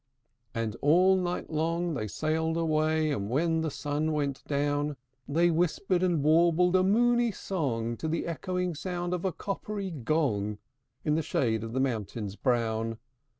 IV. And all night long they sailed away; And when the sun went down, They whistled and warbled a moony song To the echoing sound of a coppery gong, In the shade of the mountains brown.